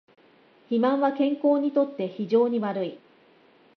肥満は健康にとって非常に悪い